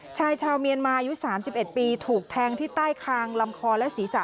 ชายชาวเมียนมายุ๓๑ปีถูกแทงที่ใต้คางลำคอและศีรษะ